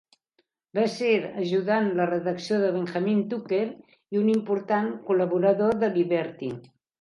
Va ser ajudant de redacció de Benjamin Tucker i un important col·laborador de "Liberty".